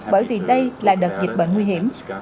bởi vì đây là đợt dịch bệnh nguy hiểm